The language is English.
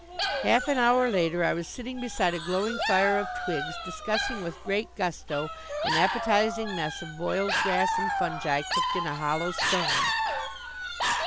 Half an hour later I was sitting beside a glowing fire of twigs discussing with great gusto an appetizing mess of boiled grass and fungi cooked in a hollow stone.